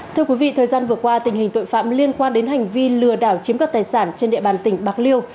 thưa quý vị thời gian vừa qua tình hình tội phạm liên quan đến hành vi lừa đảo chiếm đoạt tài sản trên địa bàn tỉnh bạc liêu